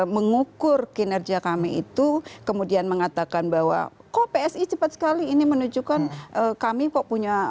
mengukur kinerja kami itu kemudian mengatakan bahwa kok psi cepat sekali ini menunjukkan kami kok punya